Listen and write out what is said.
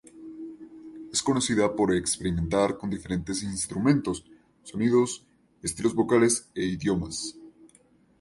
Es conocida por experimentar con diferentes instrumentos, sonidos, estilos vocales e idiomas.